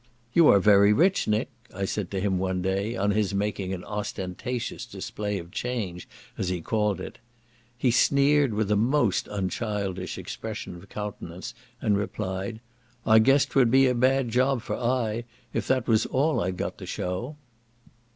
"You are very rich, Nick," I said to him one day, on his making an ostentatious display of change, as he called it; he sneered with a most unchildish expression of countenance, and replied, "I guess 'twould be a bad job for I, if that was all I'd got to shew."